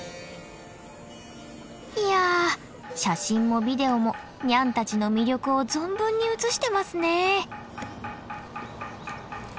いや写真もビデオもニャンたちの魅力を存分に写してますね。